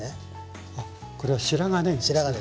これは白髪ねぎですね。